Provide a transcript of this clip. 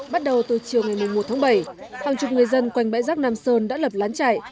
bắt đầu từ chiều ngày một tháng bảy hàng chục người dân quanh bãi rác nam sơn đã lập lán chạy